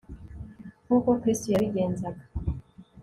nk'uko kristo yabigenzaga